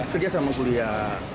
kerja sama kuliah